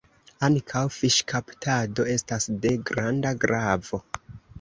Ankaŭ fiŝkaptado estas de granda gravo.